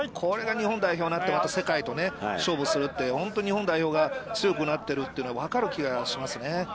これが日本代表になって、世界と勝負するって、本当日本代表が強くなっているというのは、分かる気がしますね。